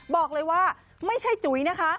บอกเลยว่าไม่ใช่จุ๋ยนะคะ